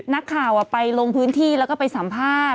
นักข่าวไปลงพื้นที่แล้วก็ไปสัมภาษณ์